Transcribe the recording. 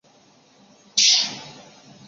当我走在田间的时候